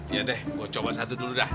ya deh gue coba satu dulu dah